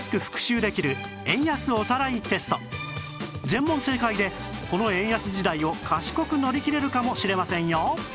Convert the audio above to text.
全問正解でこの円安時代を賢く乗り切れるかもしれませんよ